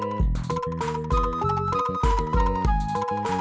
sampai jumpa lagi